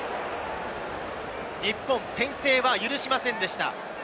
日本、先制は許しませんでした。